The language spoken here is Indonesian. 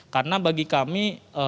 karena bagi kami